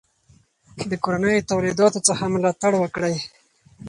د کورنیو تولیداتو څخه ملاتړ وکړئ.